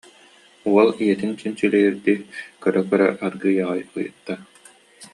уол ийэтин чинчилиирдии көрө-көрө аргыый аҕай ыйытта